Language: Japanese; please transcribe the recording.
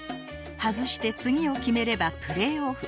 外して次を決めればプレーオフ